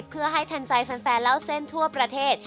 เพื่อให้ทันใจแฟนเล่าเส้นทั่วประเทศ